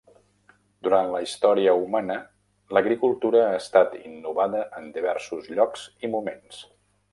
Durant la història humana l'agricultura ha estat innovada en diversos llocs i moments.